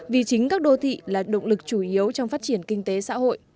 vì chính các đô thị là động lực chủ yếu trong phát triển kinh tế xã hội